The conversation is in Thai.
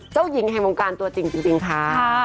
เจ้าหญิงแห่งวงการตัวจริงค่ะ